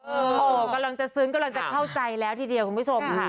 โอ้โหกำลังจะซึ้งกำลังจะเข้าใจแล้วทีเดียวคุณผู้ชมค่ะ